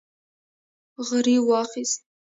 غريو واخيست.